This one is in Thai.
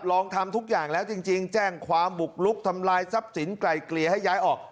ลองทำทุกอย่างแล้วจริงแจ้งความบุกลุกทำลายทรัพย์สินไกลเกลี่ยให้ย้ายออก